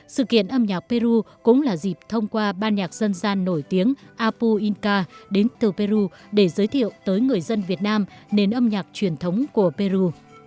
sự kiện âm nhạc peru cũng là dịp thông qua ban nhạc dân gian nổi tiếng apuinka đến từ peru để giới thiệu tới người dân việt nam nền âm nhạc truyền thống của peru